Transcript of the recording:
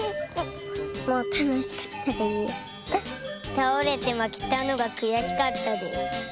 たおれてまけたのがくやしかったです。